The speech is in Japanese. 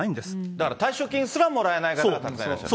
だから退職金すらもらえない方がたくさんいらっしゃる。